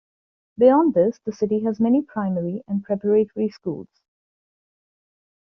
Beyond this, the city has many Primary and Preparatory Schools.